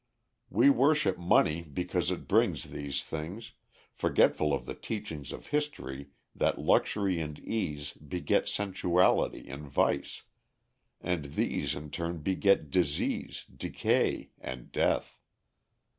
We worship money because it brings these things, forgetful of the teachings of history that luxury and ease beget sensuality and vice, and these in turn beget disease, decay, and death.